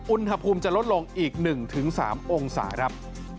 อุณหภูมิจะลดลงอีก๑๓องศาครับ